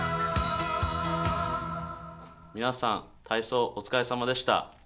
皆さん、体操お疲れさまでした。